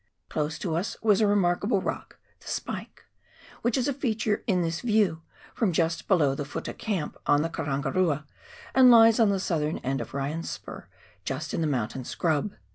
Close to us was a remarkable rock, " The Spike," which is a feature in this view from just below the Futtah Camp on the Karangarua, and lies on the southern end of Ryan's Spur, just in the mountain scrub.